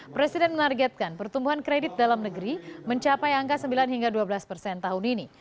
presiden menargetkan pertumbuhan kredit dalam negeri mencapai angka sembilan hingga dua belas persen tahun ini